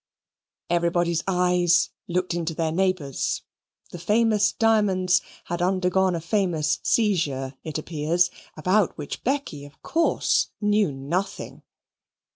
Everybody's eyes looked into their neighbour's. The famous diamonds had undergone a famous seizure, it appears, about which Becky, of course, knew nothing.